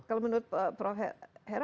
kalau menurut prof he